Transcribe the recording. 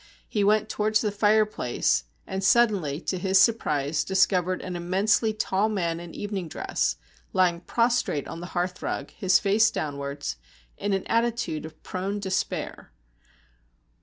He went towards the fireplace, and suddenly to his surprise discovered an immensely tall man in evening dress lying prostrate on the hearthrug, his face downwards, in an attitude of prone despair.